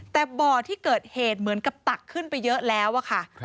แต่บ่อที่เกิดเหตุเหมือนกับตักขึ้นไปเยอะแล้วอะค่ะ